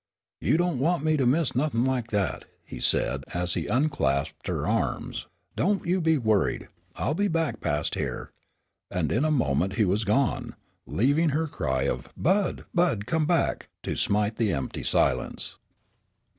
"You don't want me to miss nothin' like that," he said as he unclasped her arms; "don't you be worried, I'll be back past here." And in a moment he was gone, leaving her cry of "Bud, Bud, come back," to smite the empty silence.